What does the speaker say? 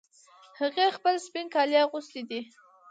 هغې خپل سپین کالي اغوستې دي